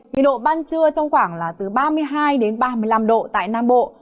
nhiệt độ ban trưa trong khoảng là từ ba mươi hai đến ba mươi năm độ tại nam bộ